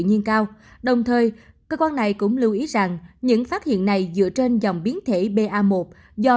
nhiên cao đồng thời cơ quan này cũng lưu ý rằng những phát hiện này dựa trên dòng biến thể ba một do